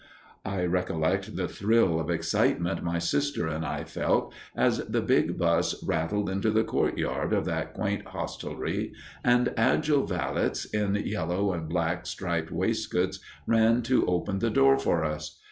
I recollect the thrill of excitement my sister and I felt as the big bus rattled into the courtyard of that quaint hostelry and agile valets in yellow and black striped waistcoats ran to open the door for us.